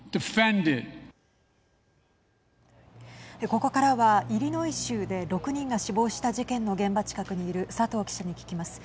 ここからはイリノイ州で６人が死亡した事件の現場近くにいる佐藤記者に聞きます。